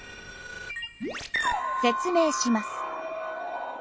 説明します。